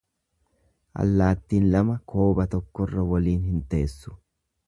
Allaattiin lama kooba tokkorra waliin hin teessu.